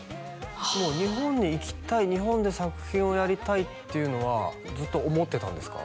日本に行きたい日本で作品をやりたいっていうのはずっと思ってたんですか？